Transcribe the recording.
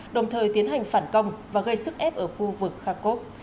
đồng thời tiến hành phản công và gây sức ép ở khu vực kharkov